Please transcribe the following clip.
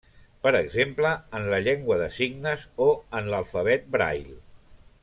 Per exemple en la llengua de signes o en l'alfabet braille.